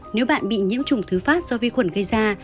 nếu bạn bị nhiễm trùng thứ phát do vi khuẩn gây ra